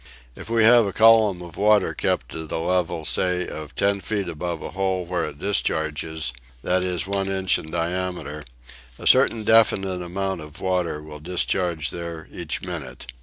If we have a column of water kept at a level say of ten feet above a hole where it discharges, that is one inch in diameter, a certain definite amount of water will discharge there each minute.